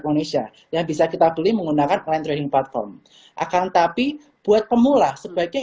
indonesia yang bisa kita beli menggunakan plan training platform akan tapi buat pemula sebagai